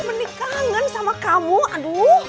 menikah kan sama kamu aduh